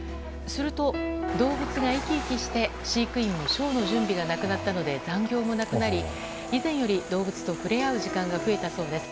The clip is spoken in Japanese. すると、動物が生き生きして飼育員もショーの準備がなくなったので残業もなくなり以前より動物と触れ合う時間が増えたそうです。